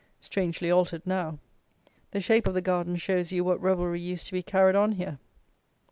Strangely altered now. The shape of the garden shows you what revelry used to be carried on here.